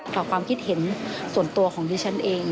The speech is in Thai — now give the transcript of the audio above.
ต่อความคิดเห็นส่วนตัวของดิฉันเอง